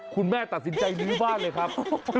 คุณแม่ตัดสินใจลื้อบ้านเลยครับ